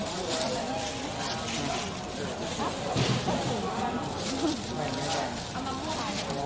สวัสดีทุกคน